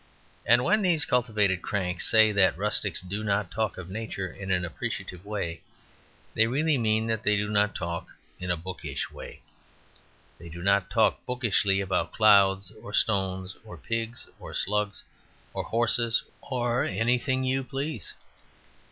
And when these cultivated cranks say that rustics do not talk of Nature in an appreciative way, they really mean that they do not talk in a bookish way. They do not talk bookishly about clouds or stones, or pigs or slugs, or horses or anything you please.